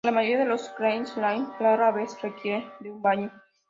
La mayoría de los Klee Kai rara vez requerirán de un baño.